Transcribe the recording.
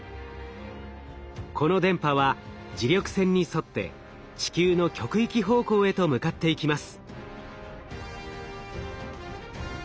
この電波は磁力線に沿って地球の極域方向へと向かっていきます。